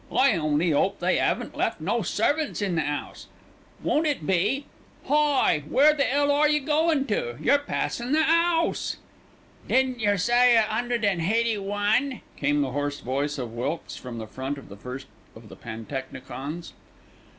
I only 'ope they 'aven't left no servants in the 'ouse. Won't it be Hi, where the 'ell are you goin' to? You're passin' the 'ouse." "Didn't yer say a 'undred an' heighty one?" came the hoarse voice of Wilkes from the front of the first of the pantechnicons.